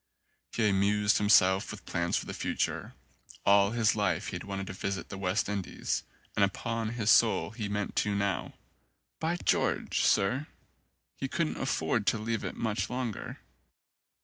He amused himself with plans for the future: all his life he had wanted to visit the West Indies and upon his soul he meant to now. By George, Sir, he couldn't afford to leave it much longer.